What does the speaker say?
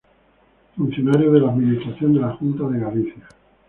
Funcionario de la administración de la Junta de Galicia.